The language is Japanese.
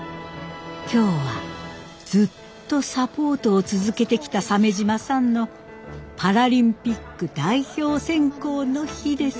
今日はずっとサポートを続けてきた鮫島さんのパラリンピック代表選考の日です。